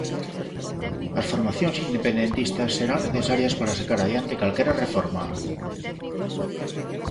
As formacións independentistas serán necesarias para sacar adiante calquera reforma.